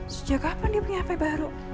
sejak kapan dia punya hp baru